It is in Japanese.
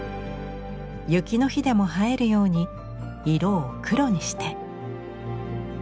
雪の日でも映えるように色を黒にして。